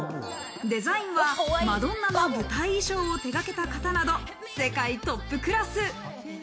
デザインはマドンナの舞台衣装を手がけた方など、世界トップクラス。